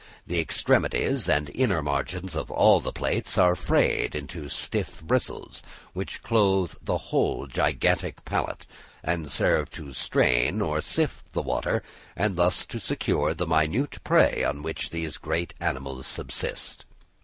The extremities and inner margins of all the plates are frayed into stiff bristles, which clothe the whole gigantic palate, and serve to strain or sift the water, and thus to secure the minute prey on which these great animals subsist.